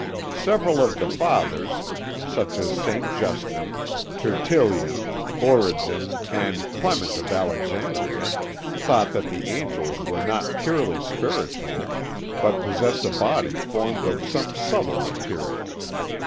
Several of the Fathers, such as St. Justin, Tertullian, Origen, and Clement of Alexandria thought that the Angels were not purely spiritual, but possessed a body formed of some subtile material.